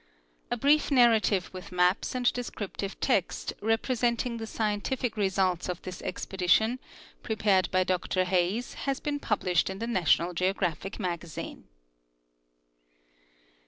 A brief narrative with maps and descriptive text representing the scientific results of this expedi tion, prepared by Dr Hayes, has been published in the National Geographic Magazine.